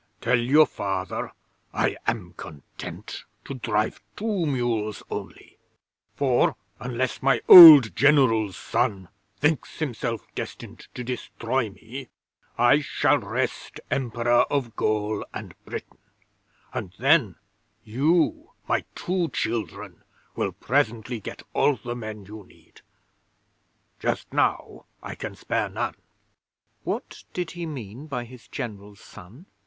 Tell your Father I am content to drive two mules only; for unless my old General's son thinks himself destined to destroy me, I shall rest Emperor of Gaul and Britain, and then you, my two children, will presently get all the men you need. Just now I can spare none."' 'What did he mean by his General's son?'